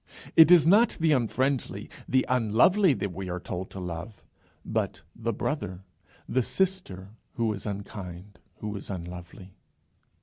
It is not the unfriendly, the unlovely, that we are told to love, but the brother, the sister, who is unkind, who is unlovely.